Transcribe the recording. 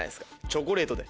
チョコレートで。